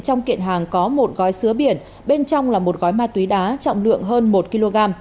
trong kiện hàng có một gói sứa biển bên trong là một gói ma túy đá trọng lượng hơn một kg